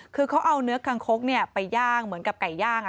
คือเขาเอาเนื้อคังคกไปย่างเหมือนกับไก่ย่าง